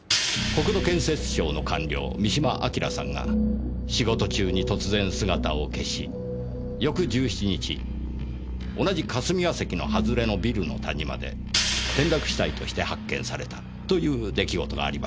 国土建設省の官僚三島章さんが仕事中に突然姿を消し翌１７日同じ霞ヶ関の外れのビルの谷間で転落死体として発見されたという出来事がありました。